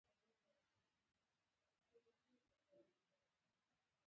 ښځې چوترې ته وکتل، لور يې لړزې اخيستې وه.